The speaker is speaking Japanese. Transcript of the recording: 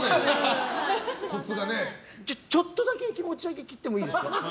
ちょっとだけ気持ちだけ切ってもいいですか？